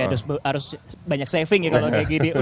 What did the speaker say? harus banyak saving ya kalau kayak gini